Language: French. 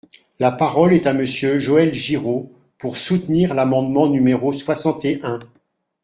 La parole est à Monsieur Joël Giraud, pour soutenir l’amendement numéro soixante et un.